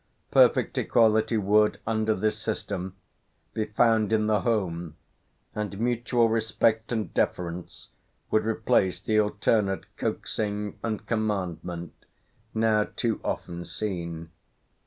Perfect equality would, under this system, be found in the home, and mutual respect and deference would replace the alternate coaxing and commandment now too often seen.